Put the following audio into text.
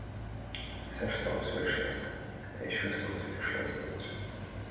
Саша само совершенство, а ещё самосовершенствуется.